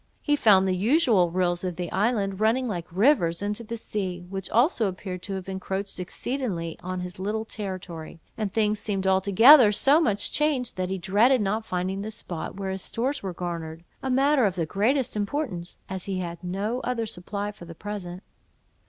He found the usual rills of the island running like rivers into the sea, which also appeared to have encroached exceedingly on his little territory; and things seemed altogether so much changed, that he dreaded not finding the spot where his stores were garnered, a matter of the greatest importance, as he had no other supply for the present.